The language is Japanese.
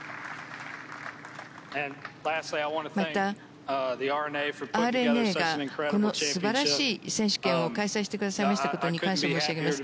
また、Ｒ＆Ａがこの素晴らしい選手権を開催してくださったことを感謝申し上げます。